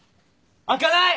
開かない！